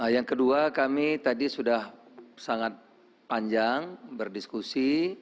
yang kedua kami tadi sudah sangat panjang berdiskusi